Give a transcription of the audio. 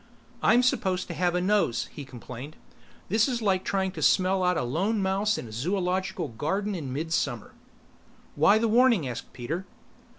"I'm supposed to have a nose," he complained. "This is like trying to smell out a lone mouse in a zoological garden in midsummer." "Why the warning?" asked Peter.